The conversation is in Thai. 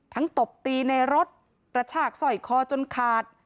ทั้งตบตีในรถประฉากส่อยครอบครบจนขาด